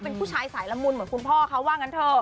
เป็นผู้ชายสายละมุนเหมือนคุณพ่อเขาว่างั้นเถอะ